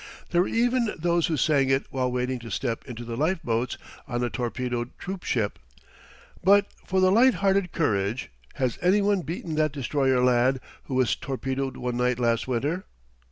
There were even those who sang it while waiting to step into the life boats on a torpedoed troop ship; but for light hearted courage has any one beaten that destroyer lad who was torpedoed one night last winter?